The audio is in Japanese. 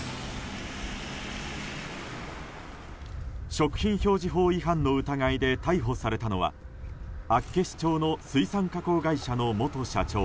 食品表示法違反の疑いで逮捕されたのは厚岸町の水産加工会社の元社長